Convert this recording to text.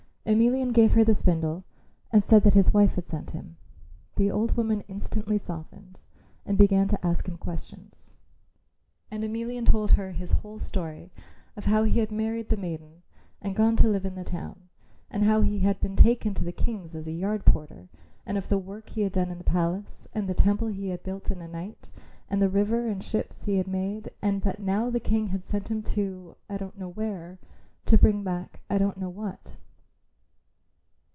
Emelian gave her the spindle and said that his wife had sent him. The old woman instantly softened and began to ask him questions. And Emelian told her his whole story of how he had married the maiden and gone to live in the town, and how he had been taken to the King's as a yard porter, and of the work he had done in the palace, and the temple he had built in a night, and the river and ships he had made, and that now the King had sent him to I don't know where to bring back I don't know what.